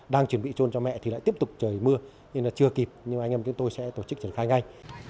đang chuẩn bị trôn cho mẹ thì lại tiếp tục trời mưa nên là chưa kịp nhưng anh em chúng tôi sẽ tổ chức triển khai ngay